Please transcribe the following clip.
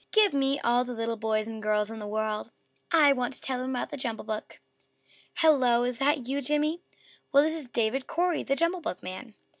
_" "Give me all the little boys and girls in the World. I want to tell them about the JUMBLE BOOK!" "Hello! Is that you, Jimmy?" "Well, this is David Cory, the JUMBLE BOOKman.